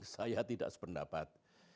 saya tidak sependapat